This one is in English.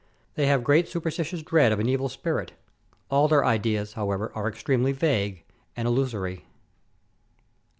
They have great superstitious dread of an evil spirit; all their ideas, however, are extremely vague and illusory.